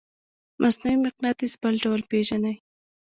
مصنوعي مقناطیس بل ډول پیژنئ؟